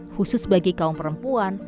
khusus bagi kaum perempuan